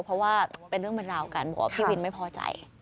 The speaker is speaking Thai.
เพราะว่าเป็นเรื่องเป็นราวกันบอกว่าพี่วินไม่พอใจ